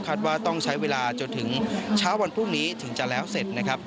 ว่าต้องใช้เวลาจนถึงเช้าวันพรุ่งนี้ถึงจะแล้วเสร็จนะครับ